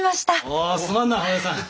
ああすまんなおようさん。